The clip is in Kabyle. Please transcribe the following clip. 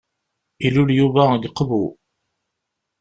Ilul Yuba deg uqbu.